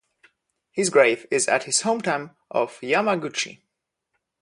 His grave is at his hometown of Yamaguchi.